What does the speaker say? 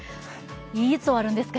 いつ終わるんですか？